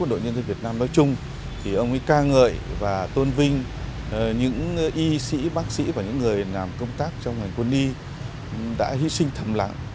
đội nhân dân việt nam nói chung thì ông ấy ca ngợi và tôn vinh những y sĩ bác sĩ và những người làm công tác trong hành quân y đã hy sinh thầm lặng